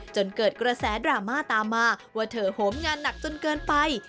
จนเกิดกระแสดราม่าตามมาว่าเธอโหมงานหนักจนเกินไป